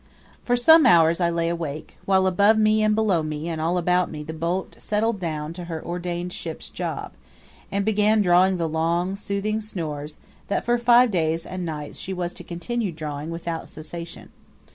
For some hours I lay awake, while above me and below me and all about me the boat settled down to her ordained ship's job, and began drawing the long, soothing snores that for five days and nights she was to continue drawing without cessation.